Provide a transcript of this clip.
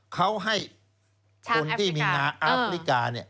เขาให้คนที่มีงาอาฟริกา